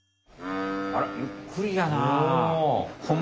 あらゆっくりやな。